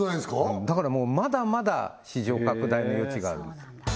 うんだからもうまだまだ市場拡大の余地があるんです